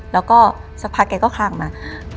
แล้วก็สักพักแกก็คลางมา